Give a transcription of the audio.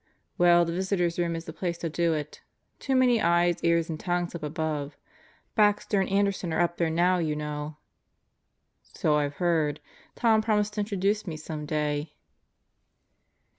Well the Visitors' Room is the place to do it. Too many eyes, ears, and tongues up above. Baxter and Anderson are up there now you know." "So I've heard. Tom promised to introduce me some day."